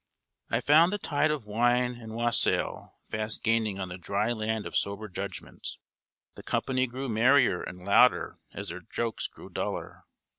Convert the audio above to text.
I found the tide of wine and wassail fast gaining on the dry land of sober judgment. The company grew merrier and louder as their jokes grew duller.